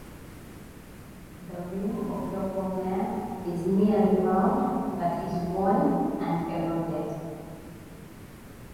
The rim of Doppelmayer is nearly round, but is worn and eroded.